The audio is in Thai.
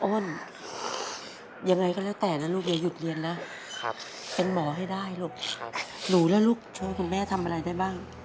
ยังไงก็แล้วแต่นะลูกยายหยุดเรียนแล้วเป็นหมอให้ได้ลูกหนูและลูกช่วยคุณแม่ทำอะไรได้บ้าง